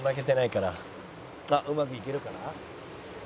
「あっうまくいけるかな？」